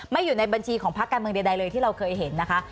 อยู่ในบัญชีของพักการเมืองใดเลยที่เราเคยเห็นนะคะ